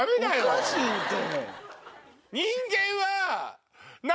おかしいって。